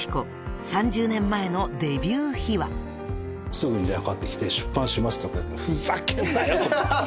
すぐに電話かかってきて「出版します」とか言うからふざけんなよと。